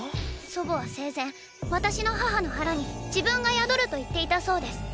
祖母は生前私の母の腹に自分が宿ると言っていたそうです。